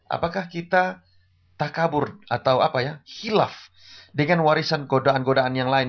apakah kita tak kabur atau hilaf dengan warisan godaan godaan yang lain